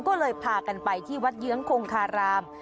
ก็เลยพากันไปที่วัดเยื้องคงคาราม